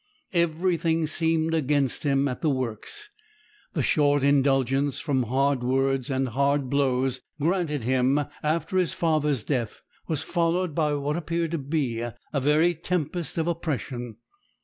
Everything seemed against him at the works. The short indulgence from hard words and hard blows granted him after his father's death was followed by what appeared to be a very tempest of oppression.